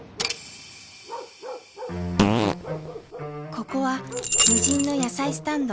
ここは無人の野菜スタンド。